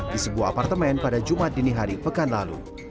di sebuah apartemen pada jumat dini hari pekan lalu